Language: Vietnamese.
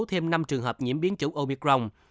thêm năm trường hợp nhiễm biến chủ omicron